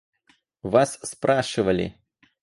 Вас спрашивали.